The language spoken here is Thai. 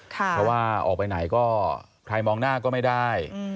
เพราะว่าออกไปไหนก็ใครมองหน้าก็ไม่ได้